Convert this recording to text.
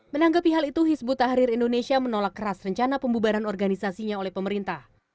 menanggapi hal itu hizbut tahrir indonesia menolak keras rencana pembubaran organisasinya oleh pemerintah